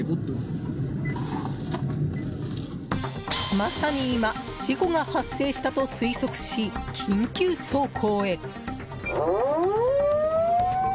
まさに今、事故が発生したと推測し、緊急走行へ。